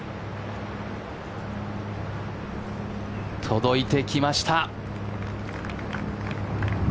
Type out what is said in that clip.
届いてきました。